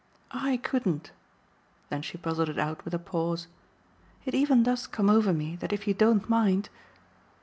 "I couldn't." Then she puzzled it out with a pause. "It even does come over me that if you don't mind